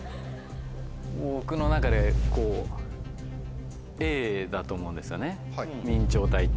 僕の中でＡだと思うんですよね明朝体って。